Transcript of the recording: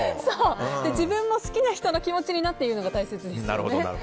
自分も好きな人の気持ちになって言うのが大切ですよね。